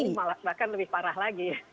dua kali malah bahkan lebih parah lagi